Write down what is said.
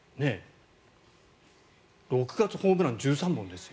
６月、ホームラン１３本ですよ。